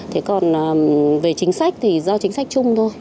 thế còn về chính sách thì do chính sách chung thôi